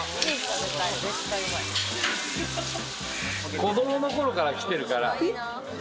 子供の頃から来てるから。